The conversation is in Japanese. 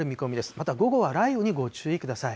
また、午後は雷雨にご注意ください。